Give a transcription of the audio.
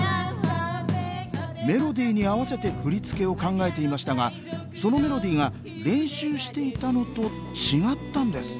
メロディーに合わせて振り付けを考えていましたがそのメロディーが練習していたのと違ったんです